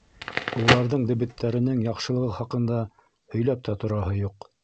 Уларҙың дебеттәренең яҡшылығы хаҡында һөйләп тә тораһы юҡ.